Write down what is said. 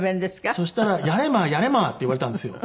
そしたら「やれまやれま」って言われたんですよ。